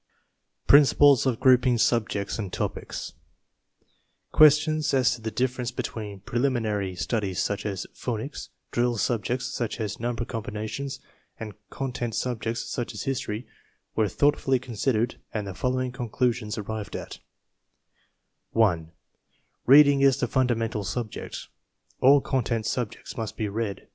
PRINCIPLES OF GROUPING SUBJECTS AND TOPICS Questions as to the difference between preliminary studies such as phonics, drill subjects such as number 56 TESTS AND SCHOOL REORGANIZATION combinations, and content subjects such as history, were thoughtfully considered and the following con clusions arrived at: (1) Reading is the fundamental subject. All content subjects must be read.